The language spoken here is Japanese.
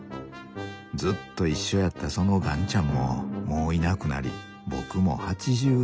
ずっと一緒やったその雁ちゃんももういなくなり僕も８４。